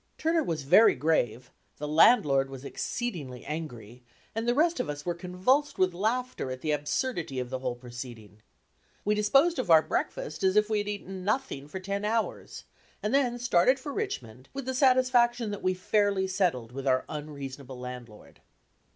Turner was very grave, the landlord was exceedingly angry, and the rest of us were convulsed with laughter at the absurdity of the whole proceeding. We disposed of our breakfast as if we had eaten nothing for ten hours and then started for Richmond with the satisfaction that we fairly settled with our unreasonable landlord.